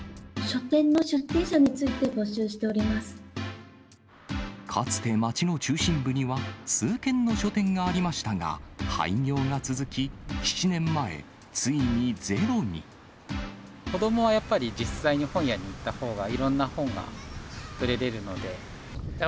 書店の出店者について募集しかつて町の中心部には、数軒の書店がありましたが、廃業が続き、７年前、子どもはやっぱり、実際に本屋に行ったほうが、いろんな本が触れれるので。